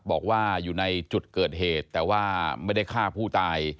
บอกว่าอยู่ในจุดเกิดเหตุแต่ว่าไม่ได้ฆ่าผู้ตาย